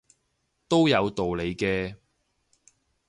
都有道理嘅